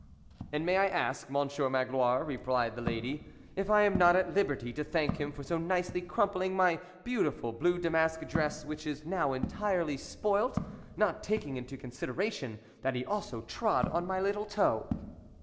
"And may I ask, Monsieur Magloire," replied the lady, " if I am not at liberty to thank him for so nicely crumpling my beautiful blue damask dress, which is now entirely spoilt, not taking into consideration that he also trod on my little toe